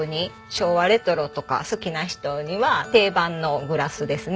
昭和レトロとか好きな人には定番のグラスですね。